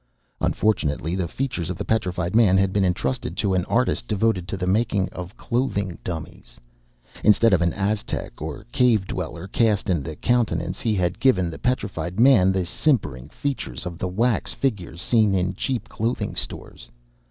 Unfortunately, the features of the Petrified Man had been entrusted to an artist devoted to the making of clothing dummies. Instead of an Aztec or Cave Dweller cast of countenance, he had given the Petrified Man the simpering features of the wax figures seen in cheap clothing stores.